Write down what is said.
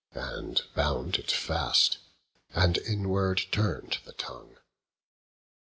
And bound it fast, and inward turn'd the tongue.